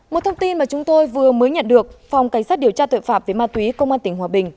một thông tin mà chúng tôi vừa mới nhận được phòng cảnh sát điều tra tội phạm về ma túy công an tỉnh hòa bình